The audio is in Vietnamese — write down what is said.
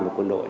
một quân đội